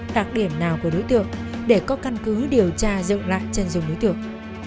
đặc điểm nào của đối tượng để có căn cứ điều tra dựng lại chân dung đối tượng